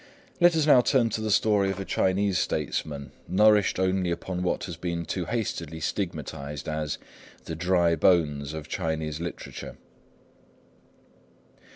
Let us now turn to the story of a Chinese statesman, nourished only upon what has been too hastily stigmatised as "the dry bones of Chinese literature."